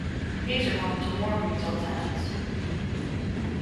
These are home to more retail tenants.